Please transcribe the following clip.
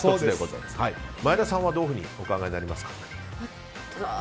前田さんはどういうふうにお考えになりますか？